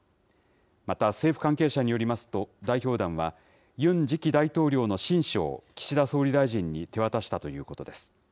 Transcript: また、政府関係者によりますと、代表団は、ユン次期大統領の親書を岸田総理大臣に手渡したということです。